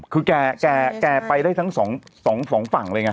คือแกไปได้ทั้งสองฝั่งเลยไง